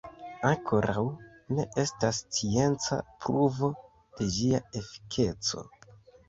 Ankoraŭ ne estas scienca pruvo de ĝia efikeco.